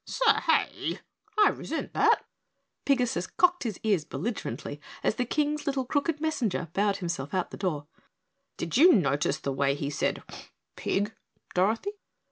"Sa hay I resent that!" Pigasus cocked his ears belligerently as the King's crooked little messenger bowed himself out the door. "Did you notice the way he said 'pig,' Dorothy?"